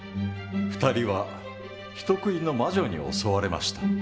２人は人食いの魔女に襲われました。